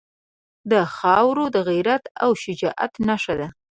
دا خاوره د غیرت او شجاعت نښه ده.